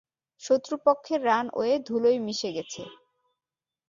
শত্রুপক্ষের রানওয়ে ধুলোয় মিশে গেছে।